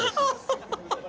ハハハハ！